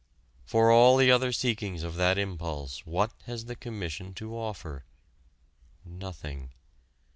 For all the other seekings of that impulse what has the Commission to offer? Nothing.